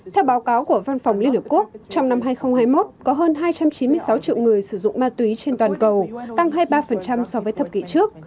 theo báo cáo của văn phòng liên hợp quốc trong năm hai nghìn hai mươi một có hơn hai trăm chín mươi sáu triệu người sử dụng ma túy trên toàn cầu tăng hai mươi ba so với thập kỷ trước